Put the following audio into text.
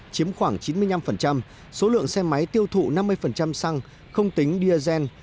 chiếm khoảng chín mươi năm số lượng xe máy tiêu thụ năm mươi xăng không tính diesel